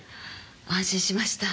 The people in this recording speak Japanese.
安心しました。